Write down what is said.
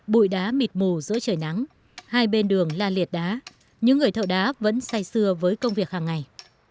bụi đá mịt mù giữa trời nắng hai bên đường la liệt đá những người thợ đá vẫn say sưa với công việc hàng ngày